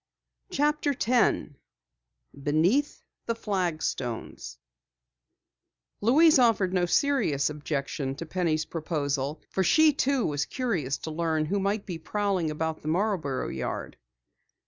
CHAPTER 10 BENEATH THE FLAGSTONES Louise offered no serious objection to Penny's proposal, for she too was curious to learn who might be prowling about the Marborough yard.